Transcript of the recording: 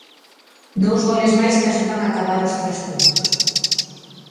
Dous goles máis que axudan a acadar os tres puntos.